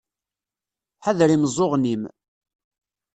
Ḥader imeẓẓuɣen-im.